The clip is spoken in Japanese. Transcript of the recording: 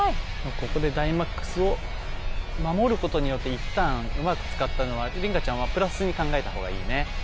ここでダイマックスをまもることによって１ターンうまく使ったのは凜香ちゃんはプラスに考えたほうがいいね。